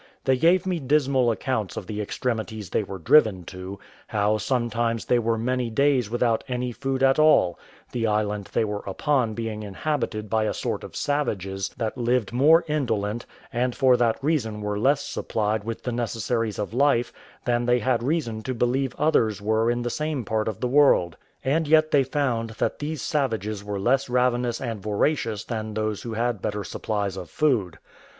They gave me dismal accounts of the extremities they were driven to; how sometimes they were many days without any food at all, the island they were upon being inhabited by a sort of savages that lived more indolent, and for that reason were less supplied with the necessaries of life, than they had reason to believe others were in the same part of the world; and yet they found that these savages were less ravenous and voracious than those who had better supplies of food.